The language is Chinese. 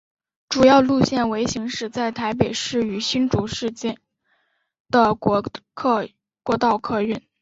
主要路线为行驶在台北市与新竹市间的国道客运。